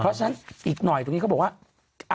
เพราะฉะนั้นอีกหน่อยตรงนี้เขาบอกว่า